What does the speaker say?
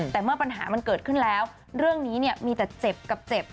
แต่เมื่อปัญหามันเกิดขึ้นแล้วเรื่องนี้เนี่ยมีแต่เจ็บกับเจ็บ